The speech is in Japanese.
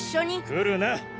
来るな！